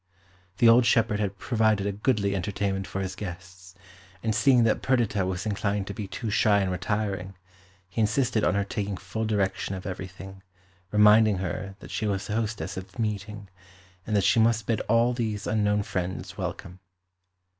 The old shepherd had provided a goodly entertainment for his guests, and seeing that Perdita was inclined to be too shy and retiring, he insisted on her taking full direction of everything, reminding her that she was the hostess of the meeting, and that she must bid all these unknown friends welcome.